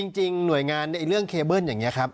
หน่วยงานในเรื่องเคเบิ้ลอย่างนี้ครับ